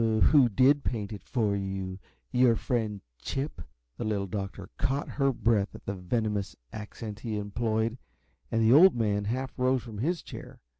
"Who did paint it for you? Your friend, Chip?" The Little Doctor caught her breath at the venomous accent he employed, and the Old Man half rose from his chair.